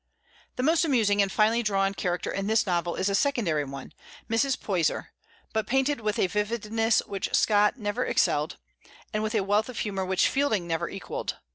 The most amusing and finely drawn character in this novel is a secondary one, Mrs. Poyser, but painted with a vividness which Scott never excelled, and with a wealth of humor which Fielding never equalled.